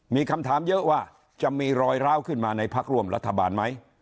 มีคำถามเยอะว่าจะมีรอยร้าวขึ้นมาในพักร่วมรัฐบาลไหม